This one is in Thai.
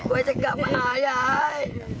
ว่าจะกลับมาหายาย